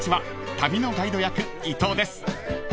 旅のガイド役伊藤です］